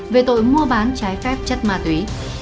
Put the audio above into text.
về tội mua bán trái phép chất ma túy